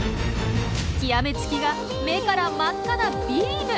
極め付きが目から真っ赤なビーム！